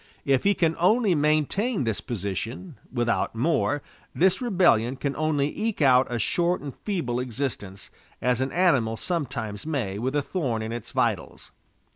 If he can only maintain this position, without more, this rebellion can only eke out a short and feeble existence, as an animal sometimes may with a thorn in its vitals."